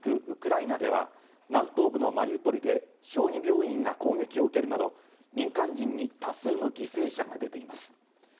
ウクライナでは南東部のマリウポリで小児病院が攻撃を受けるなど、民間人に多数の犠牲者が出ています。